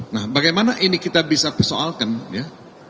nah bagaimana ini kita bisa persoalkan ya